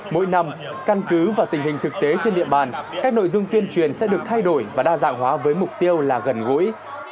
mỗi năm căn cứ vào tình hình thực tế trên địa bàn các nội dung tuyên truyền sẽ được thay đổi và đa dạng hóa với mục tiêu là gần gũi